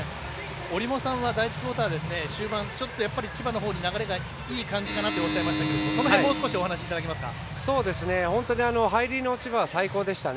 折茂さんは第１クオーター終盤ちょっと千葉のほうに流れがいい感じかなとおっしゃいましたけれどもその辺、もう少し入りの千葉、最高でした。